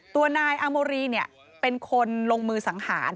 ตัวนายอาโมรีเป็นคนลงมือสังหาร